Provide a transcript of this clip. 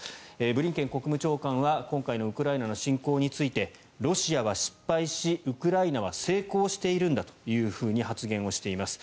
ブリンケン国務長官は今回のウクライナへの侵攻についてロシアは失敗しウクライナは成功しているんだと発言をしています。